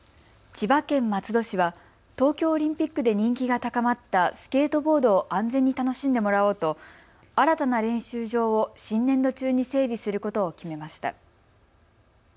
千葉県松戸市は東京オリンピックで人気が高まったスケートボードを安全に楽しんでもらおうと新たな練習場を新年度中に整備することを決めました。